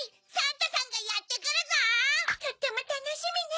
とってもたのしみね！